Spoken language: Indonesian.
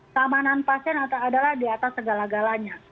keamanan pasien adalah di atas segala galanya